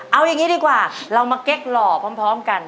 เอาอย่างนี้ดีกว่าเรามาเก๊กหล่อพร้อมกัน